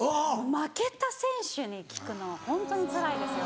負けた選手に聞くのはホントにつらいですよ。